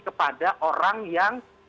kepada orang yang